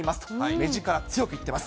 目力強く言ってます。